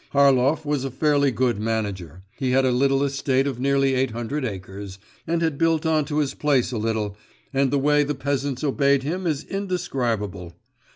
Harlov was a fairly good manager. He had a little estate of nearly eight hundred acres, and had built on to his place a little, and the way the peasants obeyed him is indescribable.